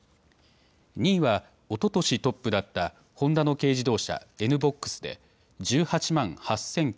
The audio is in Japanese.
２位は、おととしトップだったホンダの軽自動車、ＮーＢＯＸで１８万８９４０台。